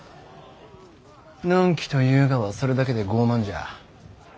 のんきというがはそれだけで傲慢じゃ。